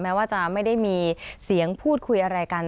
ว่าจะไม่ได้มีเสียงพูดคุยอะไรกัน